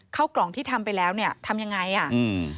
เข้ากล่องที่ทำไปแล้วเนี่ยทำยังไงอ่ะอืม